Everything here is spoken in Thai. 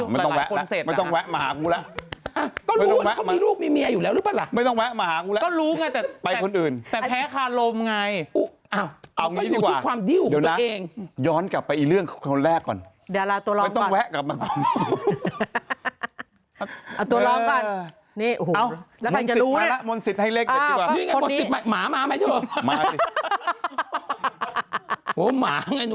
ไม่ต้องแวะไม่ต้องแวะมาหากูแล้วค่ะ